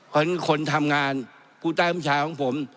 เพราะฉะนั้นคนทำงานผู้ใต้บัญชาของผม